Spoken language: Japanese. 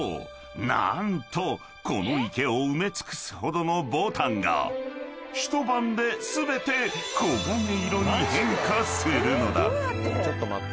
何とこの池を埋め尽くすほどの牡丹が一晩で全て黄金色に変化するのだ］